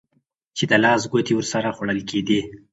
چې د لاس ګوتې ورسره خوړل کېدې.